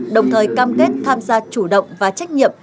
đồng thời cam kết tham gia chủ động và trách nhiệm